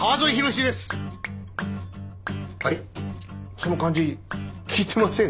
その感じ聞いてません？